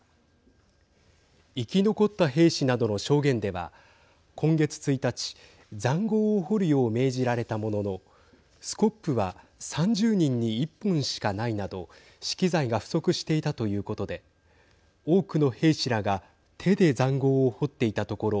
生き残った兵士などの証言では今月１日、ざんごうを掘るよう命じられたもののスコップは３０人に１本しかないなど資機材が不足していたということで多くの兵士らが手で、ざんごうを掘っていたところ